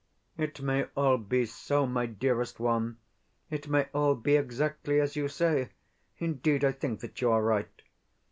It may all be so, my dearest one it may all be exactly as you say. Indeed, I think that you are right.